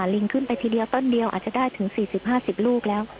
ลิงขึ้นไปทีเดียวต้นเดียวอาจจะได้ถึง๔๐๕๐ลูกแล้ว